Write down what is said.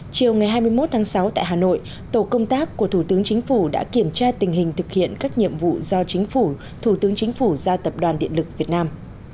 chiều ngày hai mươi một tháng sáu tại hà nội tổ công tác của thủ tướng chính phủ đã kiểm tra tình hình thực hiện các nhiệm vụ do chính phủ thủ tướng chính phủ giao tập đoàn điện lực việt nam